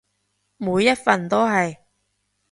每一份都係